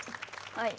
はい。